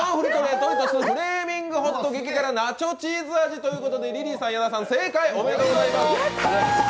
ドリトスフレーミングホット激辛ナチョ・チーズ味ということでリリーさん、矢田さん、正解、おめでとうございます。